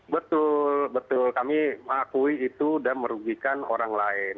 betul betul kami mengakui itu dan merugikan orang lain